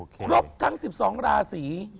ครบทั้ง๑๒ราศี